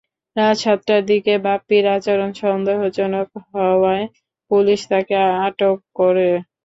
রাত সাতটার দিকে বাপ্পীর আচরণ সন্দেহজনক হওয়ায় পুলিশ তাঁকে আটক করে।